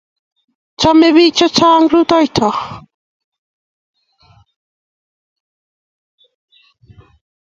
chomei pik chechang rutoito